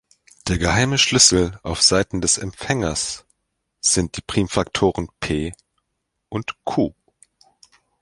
Der geheime Schlüssel auf Seiten des Empfängers sind die Primfaktoren "p" und "q".